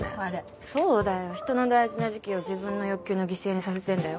そうだよ人の大事な時期を自分の欲求の犠牲にさせてんだよ。